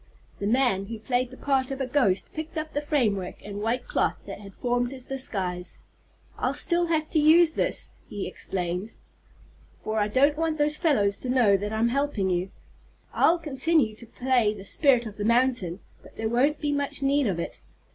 The man who played the part of a ghost picked up the framework and white cloth that had formed his disguise. "I'll still have to use this," he explained, "for I don't want those fellows to know that I'm helping you. I'll continue to play the spirit of the mountain, but there won't be much need of it.